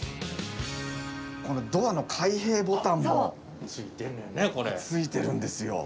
このドアの開閉ボタンもついてるんですよ。